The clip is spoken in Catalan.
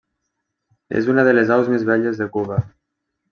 És una de les aus més belles de Cuba.